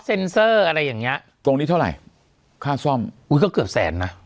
เซ็นเซอร์อะไรอย่างนี้ตรงนี้เท่าไหร่ค่าซ่อมก็เกือบแสนนะ